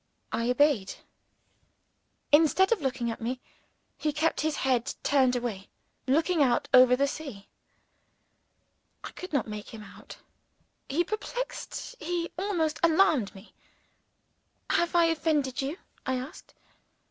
I obeyed. Instead of looking at me, he kept his head turned away; looking out over the sea. I could not make him out. He perplexed he almost alarmed me. "Have I offended you?" I asked.